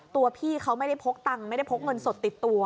ตัวพี่เขาไม่ได้พกตังค์ไม่ได้พกเงินสดติดตัว